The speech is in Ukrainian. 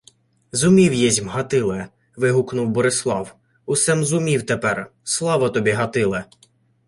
— Зумів, єсмь, Гатиле! — вигукнув Борислав. — Усе-м зумів тепер. Слава тобі, Гатиле!